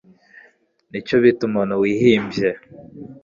Nicyo bita umuntu wihimbye.